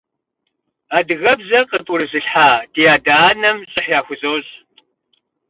Адыгэбзэр къытӀурызылъхьа ди адэ-анэм щӀыхь яхузощӀ.